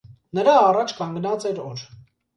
Նրա առաջ կանգնած էր օր.